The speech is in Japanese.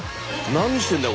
何してんだよ